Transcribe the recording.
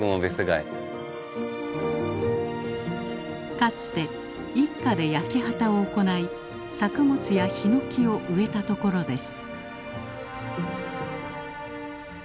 かつて一家で焼畑を行い作物やヒノキを植えた所です。